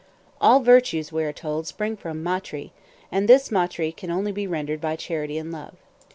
All virtues, we are told, spring from maitrî, and this maitrî can only be rendered by charity and love.